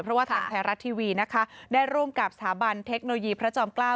เพราะว่าทางไทยรัฐทีวีนะคะได้ร่วมกับสถาบันเทคโนโลยีพระจอมเกล้า